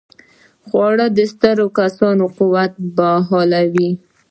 خوړل د ستړي کس قوت بحالوي